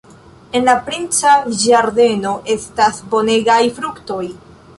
En la princa ĝardeno estas bonegaj fruktoj.